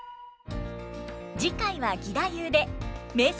次回は義太夫で名作